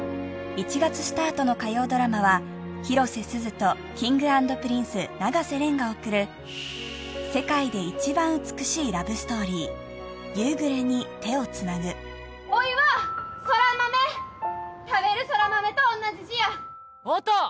１月スタートの火曜ドラマは広瀬すずとＫｉｎｇ＆Ｐｒｉｎｃｅ永瀬廉がおくる世界で一番美しいラブストーリー「夕暮れに、手をつなぐ」おいは空豆食べる空豆とおんなじ字や音！